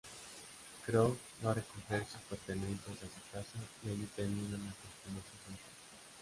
Croft va a recoger sus pertenencias a su casa y allí terminan acostándose juntas.